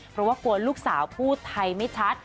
เพราะว่ากลัวลูกสาวพูดไทยไม่ชัด